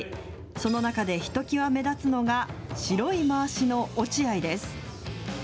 その中でひときわ目立つのが、白いまわしの落合です。